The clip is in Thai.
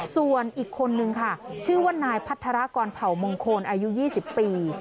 ส่วนอีกคนนึงค่ะชื่อว่านายพัฒนากรเผ่ามงคลอายุ๒๐ปี